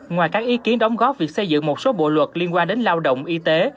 ngoài các ý kiến đóng góp việc xây dựng một số bộ luật liên quan đến lao động y tế